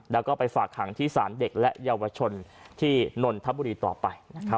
แล้วก็ไปฝากขังที่ศาลเด็กและเยาวชนที่นนทบุรีต่อไปนะครับ